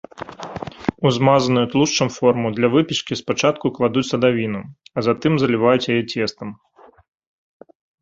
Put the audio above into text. У змазаную тлушчам форму для выпечкі спачатку кладуць садавіну, а затым заліваюць яе цестам.